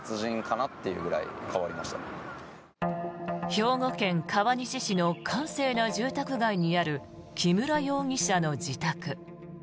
兵庫県川西市の閑静な住宅街にある木村容疑者の自宅。